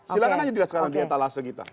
silahkan aja sekarang di etalase kita